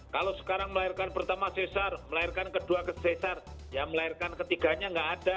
kalau sekarang melahirkan pertama cesar melahirkan kedua cesar yang melahirkan ketiganya tidak ada